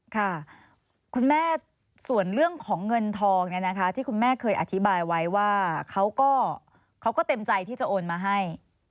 ค่ะคุณแม่ส่วนเรื่องของเงินทองเนี่ยนะคะที่คุณแม่เคยอธิบายไว้ว่าเขาก็เต็มใจที่จะโอนมาให้